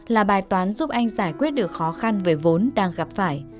là bài toán giúp anh giải quyết được khó khăn về vốn đang gặp phải